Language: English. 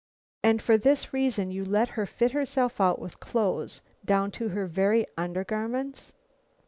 "And for this reason you let her fit herself out with clothes down to her very undergarments?"